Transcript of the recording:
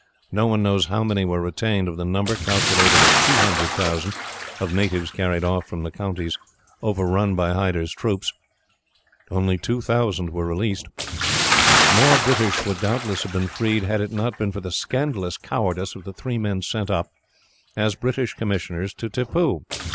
No one knows how many were retained of the number, calculated at 200,000, of natives carried off from the countries overrun by Hyder's troops. Only 2000 were released. "More British would doubtless have been freed, had it not been for the scandalous cowardice of the three men sent up, as British commissioners, to Tippoo.